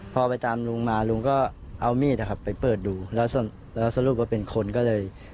พอไปตามลุงมาลุงก็เอามีดนะครับไปเปิดดูแล้วสรุปว่าเป็นคนก็เลย